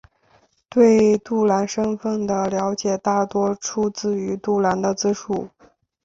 对杜兰身份的了解大多出自于杜兰的自述。